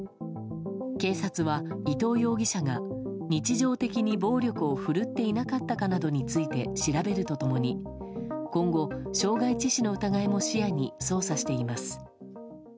警察は伊藤容疑者が日常的に暴力をふるっていなかったかなどについて調べると共に今後、傷害致死の疑いも視野に捜査しています。